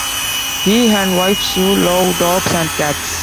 He and wife Sue love dogs and cats.